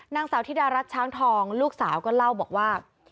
นางสาวธิดารัฐช้างทองลูกสาวก็เล่าบอกว่า